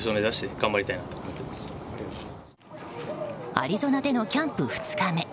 アリゾナでのキャンプ２日目。